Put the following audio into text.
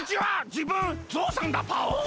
じぶんゾウさんだパオン。